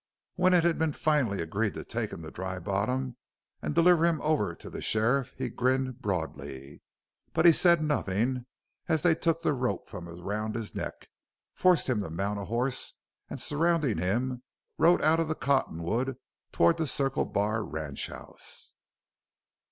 When it had been finally agreed to take him to Dry Bottom and deliver him over to the sheriff he grinned broadly. But he said nothing as they took the rope from around his neck, forced him to mount a horse and surrounding him, rode out of the cottonwood toward the Circle Bar ranchhouse.